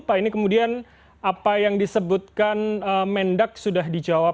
pak ini kemudian apa yang disebutkan mendak sudah dijawab